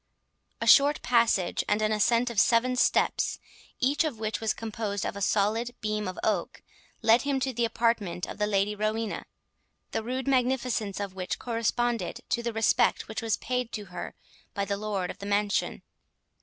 A short passage, and an ascent of seven steps, each of which was composed of a solid beam of oak, led him to the apartment of the Lady Rowena, the rude magnificence of which corresponded to the respect which was paid to her by the lord of the mansion.